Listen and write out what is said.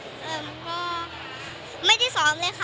แล้วก็ไม่ได้ซ้อมเลยค่ะ